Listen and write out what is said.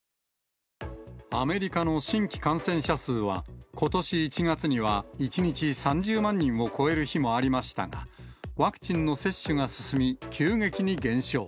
アメリカの新規感染者数は、ことし１月には１日３０万人を超える日もありましたが、ワクチンの接種が進み、急激に減少。